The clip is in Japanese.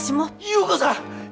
優子さん！